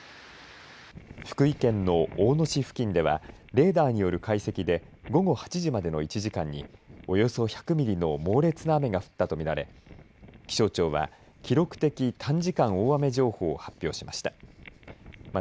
福井県の大野市付近ではレーダーによる解析で午後８時までの１時間におよそ１００ミリの猛烈な雨が降ったと見られ気象庁は記録的短時間大雨情報を発表しました。